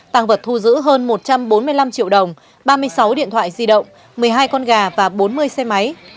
tăng vật thu giữ hơn một trăm bốn mươi năm triệu đồng ba mươi sáu điện thoại di động một mươi hai con gà và bốn mươi xe máy